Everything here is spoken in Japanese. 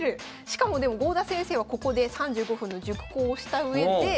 しかもでも郷田先生はここで３５分の熟考をしたうえで。